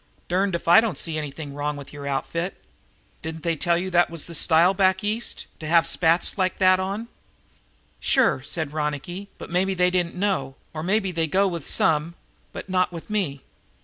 "Derned if I see anything wrong with your outfit. Didn't they tell you that that was the style back East, to have spats like that on?" "Sure," said Ronicky, "but maybe they didn't know, or maybe they go with some, but not with me.